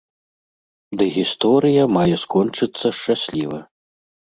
Ды гісторыя мае скончыцца шчасліва.